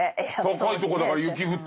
高いとこだから雪降ってんだろ？